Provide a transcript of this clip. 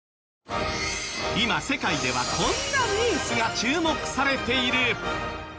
今世界ではこんなニュースが注目されている。